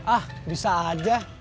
ah bisa aja